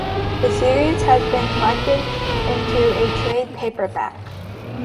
The series has been collected into a trade paperback.